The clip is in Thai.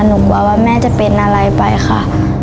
หนูกลัวว่าแม่จะเป็นอะไรไปค่ะ